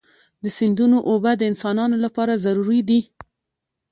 د سیندونو اوبه د انسانانو لپاره ضروري دي.